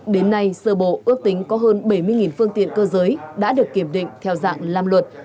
đến nay sơ bộ ước tính có hơn bảy mươi phương tiện cơ giới đã được kiểm định theo dạng làm luật